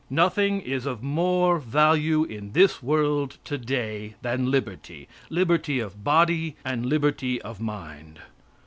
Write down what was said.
Nothing is of more value in this world today than liberty liberty of body and liberty of mind.